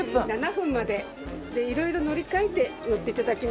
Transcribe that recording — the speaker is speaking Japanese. いろいろ乗り換えて乗っていただきます。